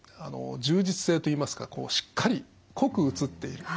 充実性といいますかしっかり濃く写っている。